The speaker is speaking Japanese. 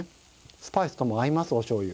スパイスとも合いますお醤油。